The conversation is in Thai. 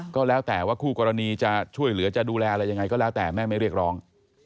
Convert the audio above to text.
ก็แล้วแต่ว่าคู่กรณีจะช่วยเหลือจะดูแลอะไรยังไงก็แล้วแต่แม่ไม่เรียกร้อง